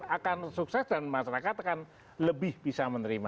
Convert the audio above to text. akan sukses dan masyarakat akan lebih bisa menerima